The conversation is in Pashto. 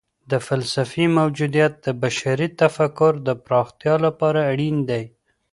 د فلسفې موجودیت د بشري تفکر د پراختیا لپاره اړین دی.